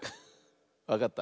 わかった？